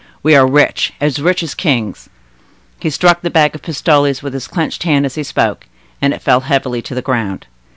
We are rich, as rich as kings!" He struck the bag of pistoles with his clenched hand as he spoke, and it fell heavily to the ground.